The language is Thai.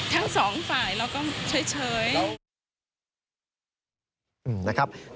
ทั้งสองฝ่ายเราก็เฉย